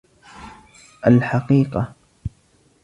الحقيقة ؟